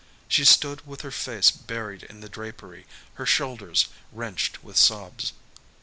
She stood with her face buried in the drapery, her shoulders wrenched with sobs.